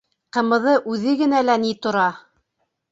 Ҡымыҙы үҙе генә лә ни тора!